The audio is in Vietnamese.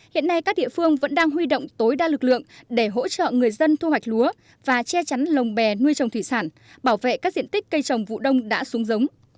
hiện nay các địa phương vẫn đang huy động tối đa lực lượng để hỗ trợ người dân thu hoạch lúa và che chắn lồng bè nuôi trồng thủy sản bảo vệ các diện tích cây trồng vụ đông đã xuống giống